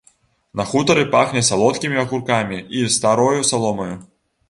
На хутары пахне салодкімі агуркамі і старою саломаю.